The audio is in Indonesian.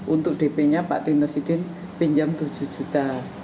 untuk dp nya pak tino sidin pinjam tujuh juta